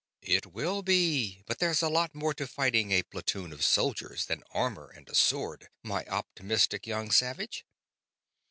"It will be, but there's a lot more to fighting a platoon of soldiers than armor and a sword, my optimistic young savage."